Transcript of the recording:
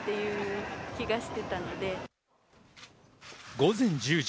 午前１０時。